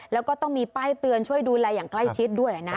แล้วก็ต้องมีป้ายเตือนช่วยดูแลอย่างใกล้ชิดด้วยนะ